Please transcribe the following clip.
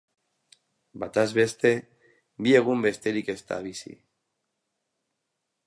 Bataz beste, bi egun besterik ez da bizi.